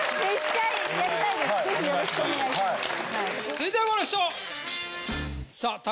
続いてはこの人。